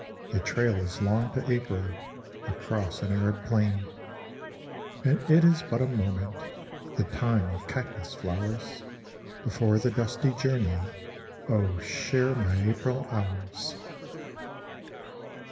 The trail is long to April Across an arid plain, And it is but a moment, The time of cactus flowers : Before the dusty journey Oh, share my April hours